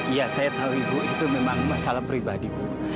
iya saya tahu ibu itu memang masalah pribadi